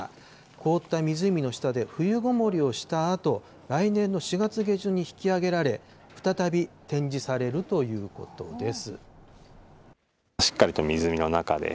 凍った湖の下で冬ごもりをしたあと、来年の４月下旬に引き揚げられ、再び展示されるということです。